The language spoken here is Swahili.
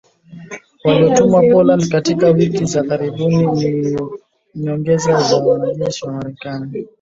waliotumwa Poland katika wiki za karibuni na ni nyongeza ya wanajeshi wa Marekani